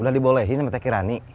udah dibolehin sama kita kirani